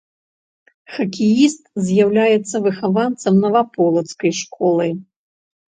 Хакеіст з'яўляецца выхаванцам наваполацкай школы.